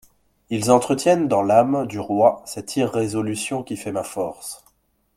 Ils entretiennent dans l’âme du roi cette irrésolution qui fait ma force.